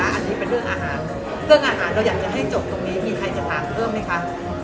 อันนี้เป็นเรื่องอาหารเรื่องอาหารเราอยากจะให้จบตรงนี้มีใครจะถามเพิ่มไหมคะ